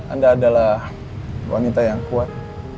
anda adalah wanita yang kuat